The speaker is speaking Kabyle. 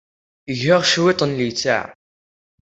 Eg-aɣ cwiṭ n littseɛ.